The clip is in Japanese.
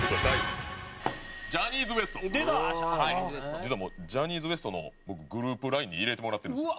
実はジャニーズＷＥＳＴの僕グループＬＩＮＥに入れてもらってるんですよ。